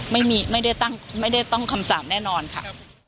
ไม่ได้ต้องคำสั่งแน่นอนค่ะ